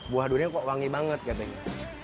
buah durian kok wangi banget katanya